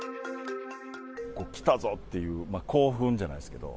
来たぞっていう、興奮じゃないですけど。